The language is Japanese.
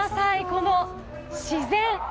この自然！